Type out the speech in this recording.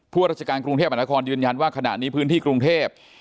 ราชการกรุงเทพมหานครยืนยันว่าขณะนี้พื้นที่กรุงเทพ